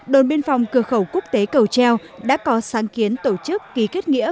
đồn biên phòng cửa khẩu quốc tế cầu treo đã có sáng kiến tổ chức ký kết nghĩa